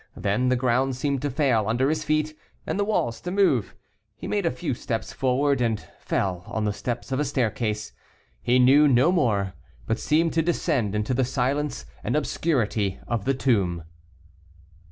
Then, the ground seemed to fail under his feet, and the walls to move. He made a few steps forward, and fell on the steps of a staircase. He knew no more, but seemed to descend into the silence and obscurity of the tomb.